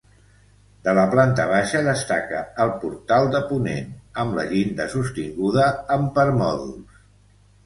De la planta baixa destaca el portal de ponent, amb la llinda sostinguda amb permòdols.